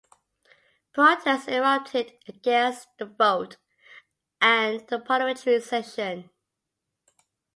Protests erupted against the vote and the parliamentary session.